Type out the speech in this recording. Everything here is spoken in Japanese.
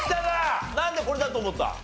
なんでこれだと思った？